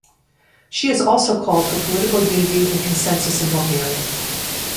She has also called for political unity and consensus in Bulgaria.